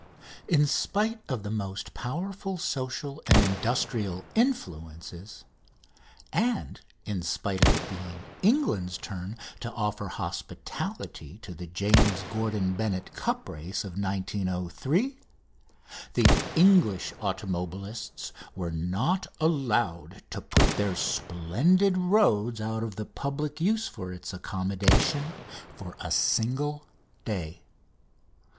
In spite of the most powerful social and industrial influences, and in spite of it being England's turn to offer hospitality to the James Gordon Bennett cup race of 1903, the English automobilists were not allowed to put their splendid roads out of the public use for its accommodation for a single day.